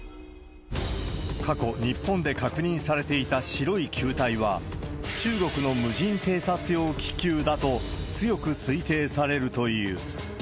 過去、日本で確認されていた白い球体は、中国の無人偵察用気球だと強く推定されるという。